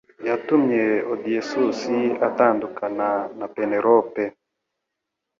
yatumye Odysseus atandukana na Penelope